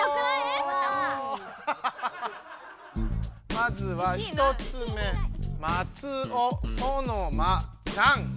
まずは１つ目「まつおそのまちゃん」。